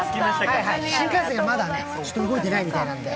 新幹線がまだ動いてないみたいなんで。